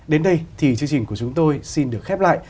đến đây thì chương trình của chúng tôi xin được khép lại